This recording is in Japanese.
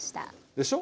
でしょ。